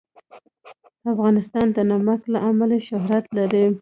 افغانستان د نمک له امله شهرت لري.